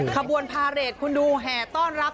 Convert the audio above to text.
ขบวนพาเรทคุณดูแห่ต้อนรับ